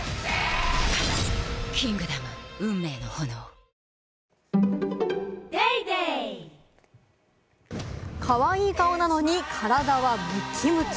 東京海上日動かわいい顔なのに、体はムキムキ。